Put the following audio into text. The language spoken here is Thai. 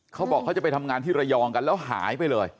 เขาบอกเขาจะไปทำงานที่ระยองกันแล้วหายไปเลย